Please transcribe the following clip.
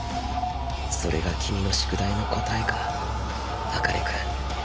それが君の宿題の答えか茜君。